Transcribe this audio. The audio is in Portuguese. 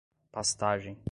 pastagem